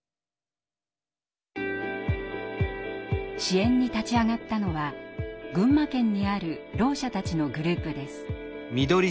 支援に立ち上がったのは群馬県にあるろう者たちのグループです。